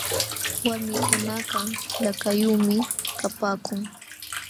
Walmikunakaq lakayuqmi kapaakun.